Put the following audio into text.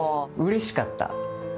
うれしかった？